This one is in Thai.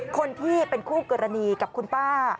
คนที่เป็นคู่กรณีกับคุณป้า